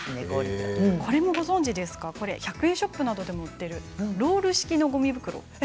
１００円ショップなどに売っているロール式のごみ袋です。